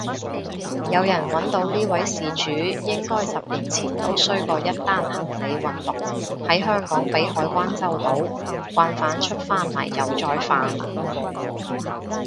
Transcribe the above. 有人搵到呢位事主應該十年前都衰過一單行李運毒喺香港被海關周到，慣犯出返嚟又再犯